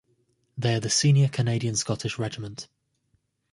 They are the Senior Canadian-Scottish Regiment.